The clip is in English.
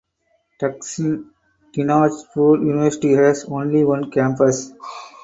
Dakshin Dinajpur University has only one campus.